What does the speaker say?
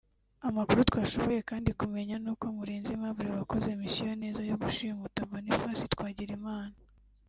Amakuru twashoboye kandi kumenya n’uko Murenzi Aimable wakoze mission neza yo gushimuta Boniface Twagirimana